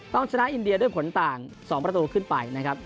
ชนะอินเดียด้วยผลต่าง๒ประตูขึ้นไปนะครับ